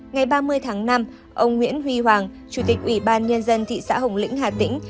ngày ba mươi tháng năm ông nguyễn huy hoàng chủ tịch ủy ban nhân dân thị xã hồng lĩnh hà tĩnh